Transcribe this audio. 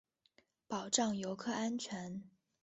保障游客安全